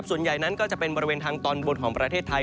ส่วนใหญ่นั้นก็จะเป็นบริเวณทางตอนบนของประเทศไทย